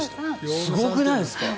すごくないですか？